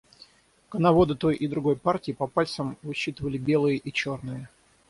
Коноводы той и другой партии по пальцам высчитывали белые и черные.